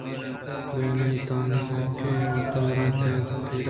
دوئینانی تہازنڈکُیں مردءَ درّائینتہمیش اِنت تئی راہ